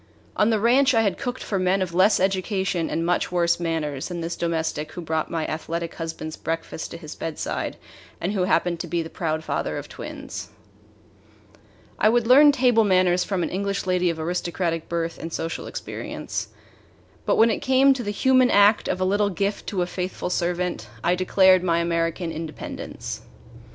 On the ranch I had cooked for men of less education and much worse manners than this domestic who brought my athletic husband's breakfast to his bedside and who happened to be the proud father of twins. I would learn table manners from an English lady of aristocratic birth and social experience; but when it came to the human act of a little gift to a faithful servant, I declared my American independence.